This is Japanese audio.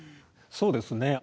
そうですね。